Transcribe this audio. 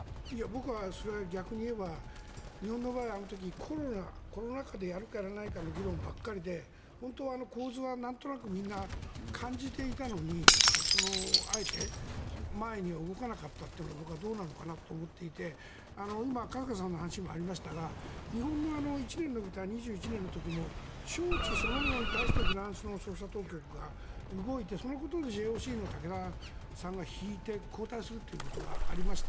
僕はそれは逆に言えば日本の場合はあの時、コロナ禍でやるか、やらないかの議論ばかりで本当はあの構図はなんとなくみんな感じていたのにあえて前には動かなかったのは僕はどうなのかなと思っていて今、春日さんの話にもありましたが日本の１年延びた２１年の時も招致そのものに対してフランスの捜査当局が動いてそのことでＪＯＣの竹田さんが引いて交代するということがありました。